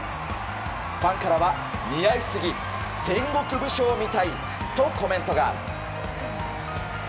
ファンからは似合いすぎ戦国武将みたいとコメントが。